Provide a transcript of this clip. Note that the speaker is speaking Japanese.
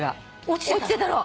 落ちてたの？